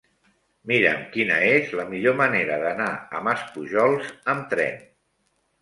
Mira'm quina és la millor manera d'anar a Maspujols amb tren.